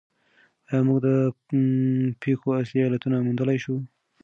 آیا موږ د پېښو اصلي علتونه موندلای شو؟